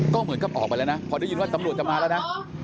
ก็เหมือนกับออกไปแล้วนะพอได้ยินว่าตำรวจจะมาแล้วนะ